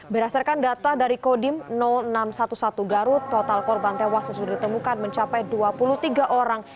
berdasarkan data dari kodim enam ratus sebelas garut total korban tewas yang sudah ditemukan mencapai dua puluh tiga orang